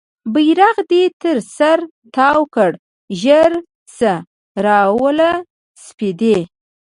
بیرغ دې تر سر تاو کړه ژر شه راوله سپیدې